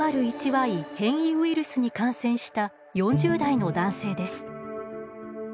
Ｙ変異ウイルスに感染した４０代の男性です。